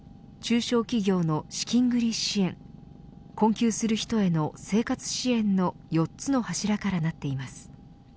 中小企業の資金繰り支援困窮する人への生活支援の４つの柱からなっています。